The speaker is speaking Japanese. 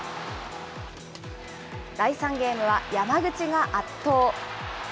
第３ゲームは山口が圧倒。